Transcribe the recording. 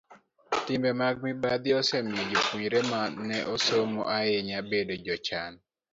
Timbe mag mibadhi osemiyo jopuonjre ma ne osomo ahinya bedo jochan.